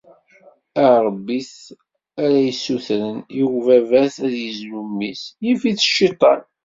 arebbit ara yessutren i ubabat ad yezlu mmi-s, yif-it cciṭan.